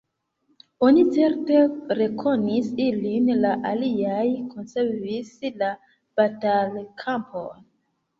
Oni certe rekonis ilin: la aliaj konservis la batalkampon!